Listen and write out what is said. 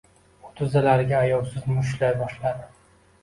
U tizzalariga ayovsiz mushtlay boshladi.